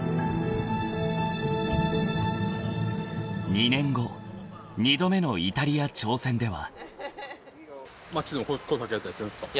［２年後２度目のイタリア挑戦では］